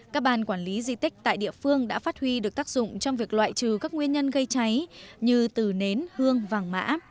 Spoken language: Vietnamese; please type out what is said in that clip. các ban quản lý di tích tại địa phương đã phát huy được tác dụng trong việc loại trừ các nguyên nhân gây cháy như từ nến hương vàng mã